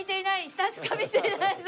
下しか見ていないぞ。